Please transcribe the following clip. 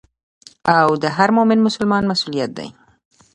او د هر مؤمن مسلمان مسؤليت دي.